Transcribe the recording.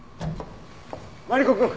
マリコくん